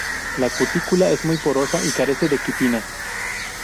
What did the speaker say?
La cutícula es muy porosa y carece de quitina.